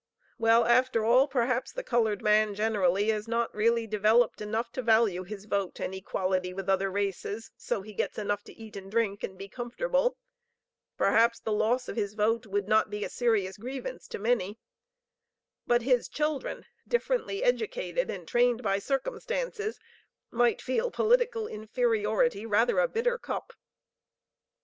Well, after all perhaps the colored man generally is not really developed enough to value his vote and equality with other races, so he gets enough to eat and drink, and be comfortable, perhaps the loss of his vote would not be a serious grievance to many; but his children differently educated and trained by circumstances might feel political inferiority rather a bitter cup."